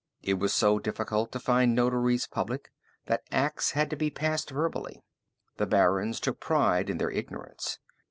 It was so difficult to find notaries public, that acts had to be passed verbally. The barons took pride in their ignorance.